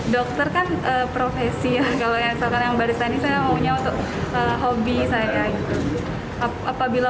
dokter kan profesi kalau yang barisan saya maunya untuk hobi saya apabila